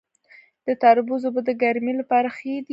د تربوز اوبه د ګرمۍ لپاره ښې دي.